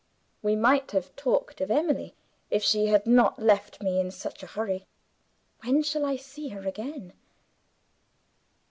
We might have talked of Emily, if she had not left me in such a hurry. When shall I see her again?"